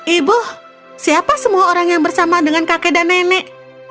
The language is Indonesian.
ibu siapa semua orang yang bersama dengan kakek dan nenek